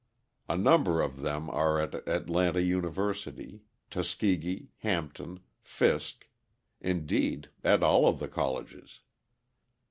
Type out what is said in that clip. A number of them are at Atlanta University, Tuskegee, Hampton, Fisk indeed, at all of the colleges.